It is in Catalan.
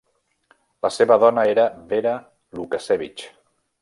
La seva dona era Vera Lukasevich.